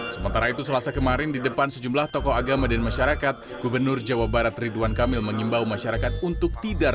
sementara itu selasa kemarin di depan sejumlah tokoh agama dan masyarakat gubernur jawa barat ridwan kamil mengimbau masyarakat untuk tidak